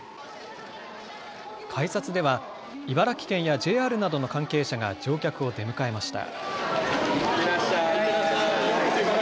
改札では茨城県やＪＲなどの関係者が乗客を出迎えました。